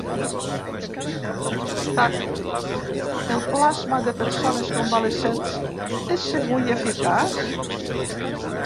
Stat: El plasma de persones convalescents és segur i eficaç?